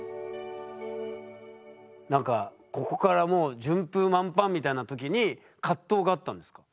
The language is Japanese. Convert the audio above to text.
何かここからもう順風満帆みたいな時に葛藤があったんですか？